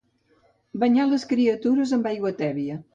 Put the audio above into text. Banyar les criatures amb aigua tèbia.